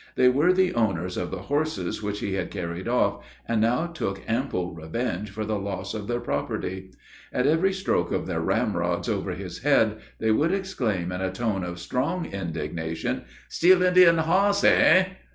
They were the owners of the horses which he had carried off, and now took ample revenge for the loss of their property. At every stroke of their ramrods over his head, they would exclaim in a tone of strong indignation, "Steal Indian hoss! hey!"